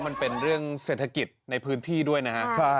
มันเป็นเรื่องเศรษฐกิจในพื้นที่ด้วยนะครับ